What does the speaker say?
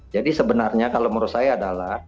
jadi sebenarnya kalau menurut saya adalah